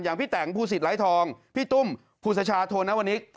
อย่างพี่แต่งภูศิษฐ์ไลทองพี่ตุ้มภูษชาโทนวนิก